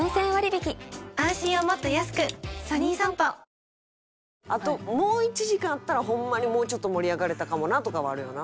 続くあともう１時間あったらホンマにもうちょっと盛り上がれたかもなとかはあるよな。